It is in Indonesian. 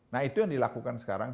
nah itu yang dilakukan sekarang